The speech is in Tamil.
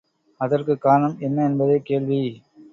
அதற்குக் காரணம் என்ன என்பதே கேள்வி.